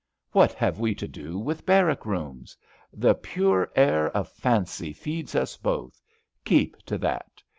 ^* What have we to do with barrack rooms? The pure air of fancy feeds us both; keep to that.